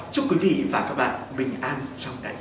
chúc quý vị và các bạn bình an trong đại dịch